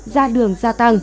ra đường gia tăng